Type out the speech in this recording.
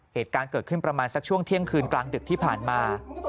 เหตุการณ์เกิดขึ้นประมาณสักช่วงเที่ยงคืนกลางดึกที่ผ่านมา